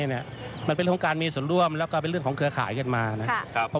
มันเป็นเรื่องของการมีส่วนร่วมแล้วก็เป็นเรื่องของเครือข่ายกันมานะครับ